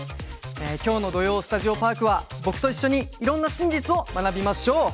きょうの「土曜スタジオパーク」は僕と一緒にいろんな真実を学びましょう。